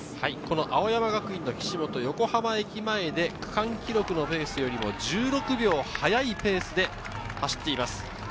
青山学院の岸本、横浜駅前で区間記録のペースよりも１６秒速いペースで走っています。